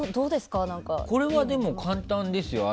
これは、でも簡単ですよ。